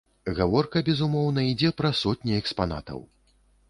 Гаворка, безумоўна, ідзе пра сотні экспанатаў.